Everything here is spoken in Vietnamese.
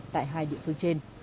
tại hai địa phương trên